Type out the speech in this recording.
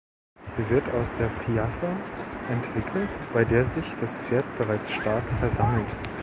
Sie wird aus der Piaffe entwickelt, bei der sich das Pferd bereits stark versammelt.